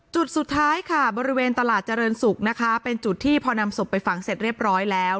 จุดสุดท้ายค่ะบริเวณตลาดเจริญศุกร์นะคะเป็นจุดที่พอนำศพไปฝังเสร็จเรียบร้อยแล้ว